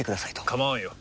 構わんよ。